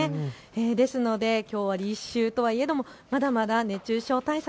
ですのできょうは立秋といえどまだまだ熱中症対策